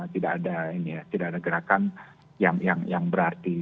tidak ada ini ya tidak ada gerakan yang berarti